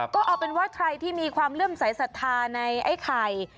ก็เอาเป็นว่าใครที่มีความเลื่อมสายศรัทธาในไอ้ไข่